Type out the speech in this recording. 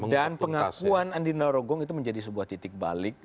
dan pengakuan andindra rogong itu menjadi sebuah titik balik